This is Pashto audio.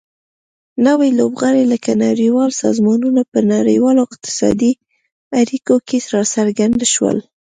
نوي لوبغاړي لکه نړیوال سازمانونه په نړیوالو اقتصادي اړیکو کې راڅرګند شول